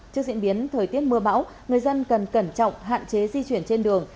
trước diễn biến thời tiết mưa bão người dân cần cẩn trọng hạn chế di chuyển trên đường